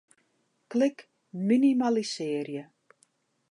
Klik Minimalisearje.